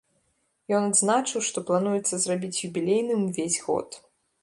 Ён адзначыў, што плануецца зрабіць юбілейным увесь год.